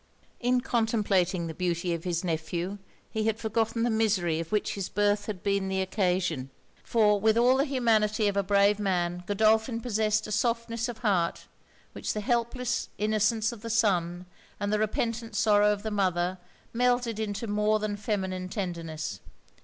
In contemplating the beauty of his nephew, he had forgotten the misery of which his birth had been the occasion; for with all the humanity of a brave man, Godolphin possessed a softness of heart, which the helpless innocence of the son, and the repentant sorrow of the mother, melted into more than feminine tenderness.